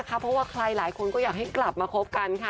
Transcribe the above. เพราะว่าใครหลายคนก็อยากให้กลับมาคบกันค่ะ